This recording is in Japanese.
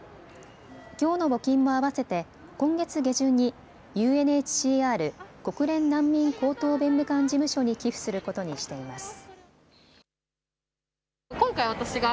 きょうの募金も合わせて今月下旬にＵＮＨＣＲ・国連難民高等弁務官事務所に寄付することにしています。